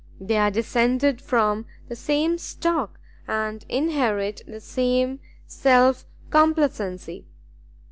They are descended from the same stock, and inherit the same self complacency.